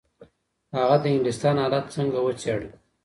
هغه د انګلستان حالت څنګه وڅېړه؟